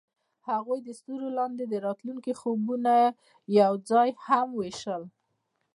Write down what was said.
هغوی د ستوري لاندې د راتلونکي خوبونه یوځای هم وویشل.